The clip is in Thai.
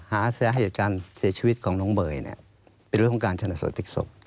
หาแซะให้กันเสียชีวิตของน้องเบยเนี่ยเป็นเรื่องของการชนสูตรพิกษก